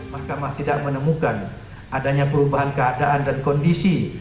mahkamah tidak menemukan adanya perubahan keadaan dan kondisi